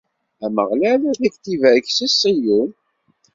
Ameɣlal ad ak-id-ibarek si Ṣiyun.